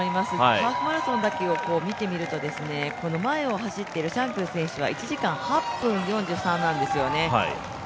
ハーフマラソンだけを見てみると前を走っているシャンクル選手は１時間８分４３なんですよね